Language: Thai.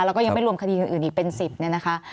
แล้วก็ยังไม่รวมคดีอื่นอีกเป็น๑๐เนี่ยนะคะ